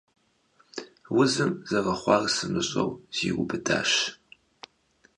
Узым, зэрыхъуар сымыщӀэу, сиубыдащ.